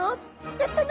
やったね。